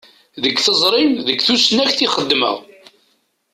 Deg teẓṛi, d tusnakt i xeddmeɣ.